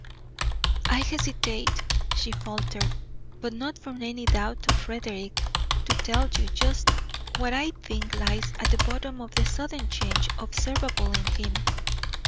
"I hesitate," she faltered, "but not from any doubt of Frederick, to tell you just what I think lies at the bottom of the sudden change observable in him.